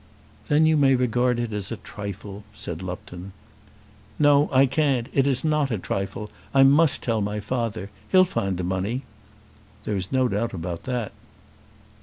"Then you may regard it as a trifle," said Lupton. "No, I can't. It is not a trifle. I must tell my father. He'll find the money." "There is no doubt about that."